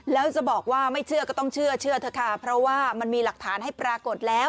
แล้วจะบอกว่าไม่เชื่อก็ต้องเชื่อเชื่อเถอะค่ะเพราะว่ามันมีหลักฐานให้ปรากฏแล้ว